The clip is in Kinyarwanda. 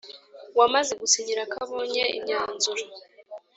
wamaze gusinyira ko abonye imyanzuro